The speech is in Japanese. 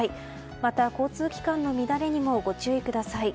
また、交通機関の乱れにもご注意ください。